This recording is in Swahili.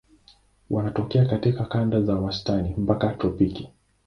Wanatokea katika kanda za wastani mpaka tropiki.